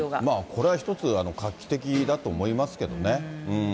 これは一つ、画期的だと思いますけどね。